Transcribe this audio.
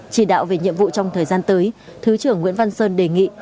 chỉ đạo về nhiệm vụ trong thời gian tới thứ trưởng nguyễn văn sơn đề nghị